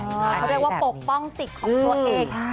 เขาเรียกว่าปกป้องสิทธิ์ของตัวเอง